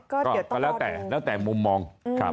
ก็แล้วแต่มุมมอง